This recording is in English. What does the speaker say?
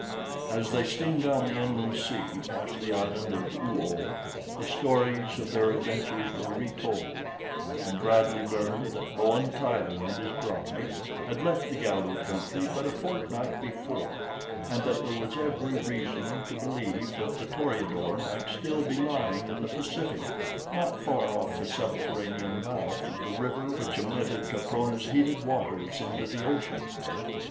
As they steamed down the inland sea past the island of Oo oh, the stories of their adventures were retold, and Bradley learned that Bowen Tyler and his bride had left the Galu country but a fortnight before and that there was every reason to believe that the Toreador might still be lying in the Pacific not far off the subterranean mouth of the river which emitted Caprona's heated waters into the ocean.